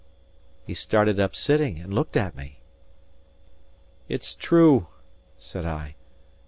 He started up sitting, and looked at me. "It's true," said I.